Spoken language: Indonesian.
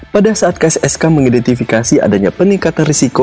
pada saat kssk mengidentifikasi adanya peningkatan risiko